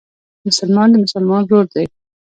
مسلمان د مسلمان ورور دئ.